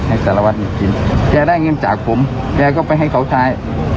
ให้สารวัตรอยู่กินแจได้เงินจากผมแจก็ไปให้เขาใช้